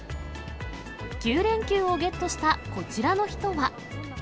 ９連休をゲットしたこちらの人は。